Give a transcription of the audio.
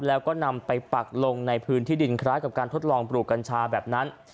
แล้วก็นำไปปักลงในพื้นที่ดินคล้ายกับการทดลองปลูกกัญชาแบบนั้น